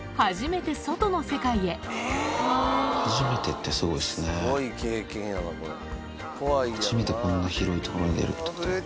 初めて初めてこんな広い所に出るってこと。